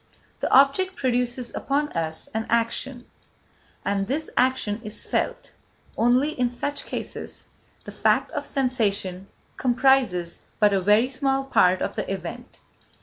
The object produces upon us an action, and this action is felt; only, in such cases, the fact of sensation comprises but a very small part of the event.